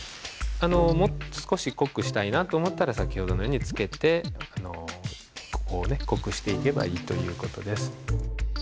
もう少し濃くしたいなと思ったら先ほどのようにつけて濃くしていけばいいという事です。